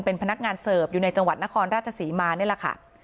เป็นพนักงานเสิร์ฟอยู่ในจังหวัดนครราชศรีมานี่แหละค่ะ